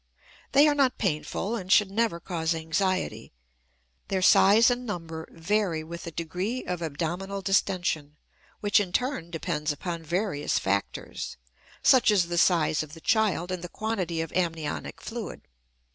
They are not painful, and should never cause anxiety. Their size and number vary with the degree of abdominal distention, which in turn depends upon various factors, such as the size of the child and the quantity of amniotic fluid.